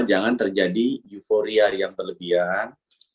jangan terjadi euforia yang berlebihan